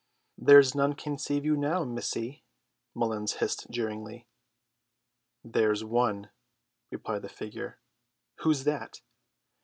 "There's none can save you now, missy," Mullins hissed jeeringly. "There's one," replied the figure. "Who's that?"